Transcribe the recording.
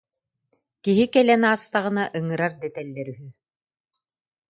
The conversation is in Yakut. Киһи кэлэн аастаҕына ыҥырар дэтэллэр үһү